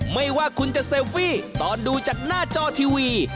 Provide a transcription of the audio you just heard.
ไม่ว่าคุณจะเซลฟี่ตอนดูจากหน้าจอทีวี